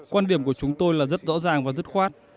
quan điểm của chúng tôi là rất rõ ràng và dứt khoát